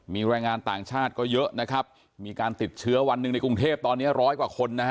มีแรงงานต่างชาติก็เยอะนะครับมีการติดเชื้อวันหนึ่งในกรุงเทพตอนนี้ร้อยกว่าคนนะฮะ